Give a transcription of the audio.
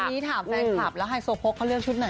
ค่ะนี้ถามแฟนคลับแล้วฮายสโฟกเขาเลือกชุดใน